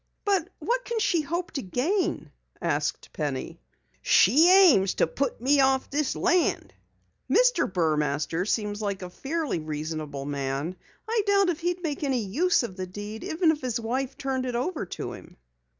"But what can she hope to gain?" asked Penny. "She aims to put me off this land." "Mr. Burmaster seems like a fairly reasonable man. I doubt he'd make any use of the deed even if his wife turned it over to him."